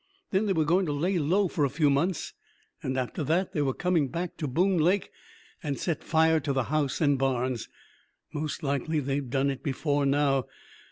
Then they were going to lay low for a few months, and after that they were coming back to Boone Lake and set fire to the house and barns. Most likely they've done it before now.